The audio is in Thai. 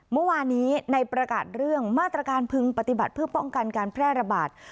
เมื่อวานนี้ในประกาศเรื่องมาตรการพึงปฏิบัติเพื่อป้องกันการแพร่ระบาด